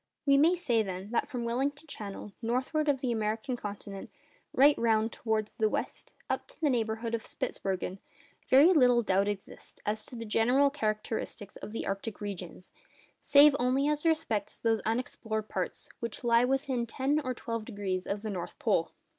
We may say, then, that from Wellington Channel, northward of the American continent, right round towards the west, up to the neighbourhood of Spitzbergen, very little doubt exists as to the general characteristics of the arctic regions, save only as respects those unexplored parts which lie within ten or twelve degrees of the North Pole.